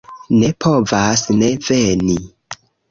Ne povas ne veni.